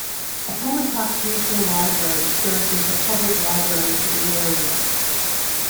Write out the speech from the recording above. Appomattox Regional Library serves as the public library for the area.